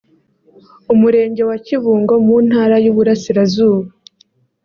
Umurenge wa Kibungo mu Ntara y’Uburasirazuba